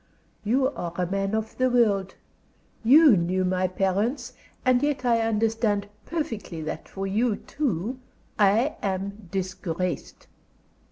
"You are a man of the world, you knew my parents, and yet I understand perfectly that for you, too, I am disgraced.